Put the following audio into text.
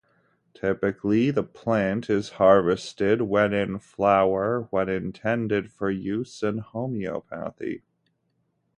Typically, the plant is harvested while in flower when intended for use in homeopathy.